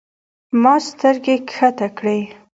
ما سترګې کښته کړې.